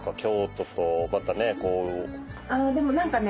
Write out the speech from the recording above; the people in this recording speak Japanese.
あでも何かね